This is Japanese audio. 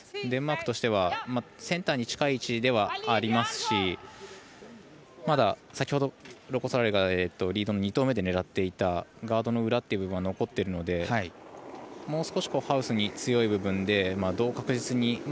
デンマークとしてはセンターに近い位置ではありますしまだ、先ほどロコ・ソラーレがリードの２投目で狙っていたガードの裏という部分は残っているのでもう少しハウスに強い部分でどう確実に。